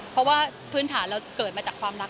เพราะว่าพื้นฐานเราเกิดมาจากความรัก